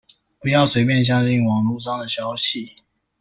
不要隨便相信網路上的消息